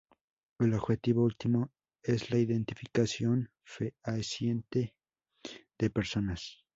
El objetivo último es la identificación fehaciente de personas.